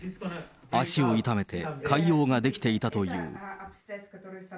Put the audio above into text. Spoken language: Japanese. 足を痛めて、潰瘍が出来ていたという。